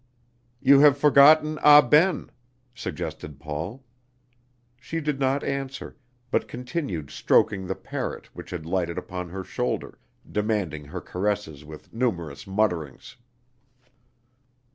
"You have forgotten Ah Ben," suggested Paul. She did not answer, but continued stroking the parrot which had lighted upon her shoulder, demanding her caresses with numerous mutterings.